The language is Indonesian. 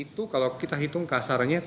itu kalau kita hitung kasarannya